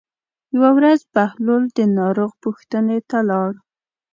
یوه ورځ بهلول د ناروغ پوښتنې ته لاړ.